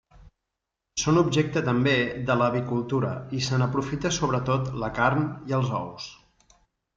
Són objecte també de l'avicultura i se n'aprofita sobretot la carn i els ous.